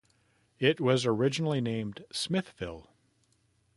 It was originally named "Smithville".